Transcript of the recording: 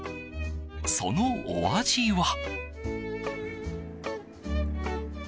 そのお味は。